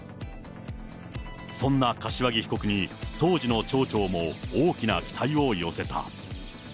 そんな柏木被告に、当時の町長も大きな期待を寄せた。